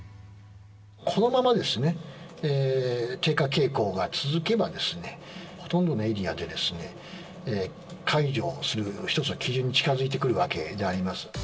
このままですね、低下傾向が続けばですね、ほとんどのエリアで解除する一つの基準に近づいてくるわけであります。